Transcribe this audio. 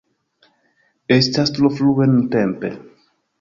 Estas tro frue nuntempe.